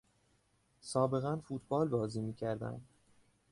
سابقا فوتبال بازی میکردم.